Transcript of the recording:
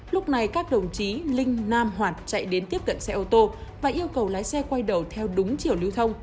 lúc này các đồng chí linh nam hoạt chạy đến tiếp cận xe ô tô và yêu cầu lái xe quay đầu theo đúng chiều lưu thông